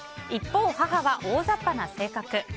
一方、母は大雑把な性格。